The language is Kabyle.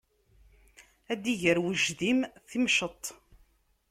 Ar d-iger wajdim timceḍt.